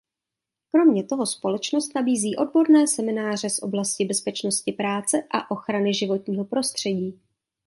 Kromě toho společnost nabízí odborné semináře z oblasti bezpečnosti práce a ochrany životního prostředí.